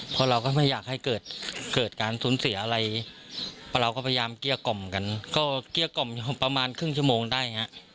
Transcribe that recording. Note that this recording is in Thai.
เพราะเราก็ไม่อยากให้เกิดเกิดการสูญเสียอะไรเพราะเราก็พยายามเกลี้ยกล่อมกันก็เกลี้ยกล่อมประมาณครึ่งชั่วโมงได้ฮะ